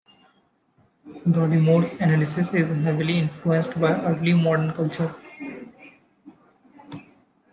Dollimore's analysis is heavily influenced by early modern culture.